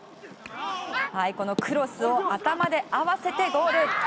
このクロスを頭で合わせてゴール！